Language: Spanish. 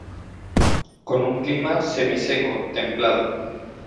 Con un clima Semiseco templado.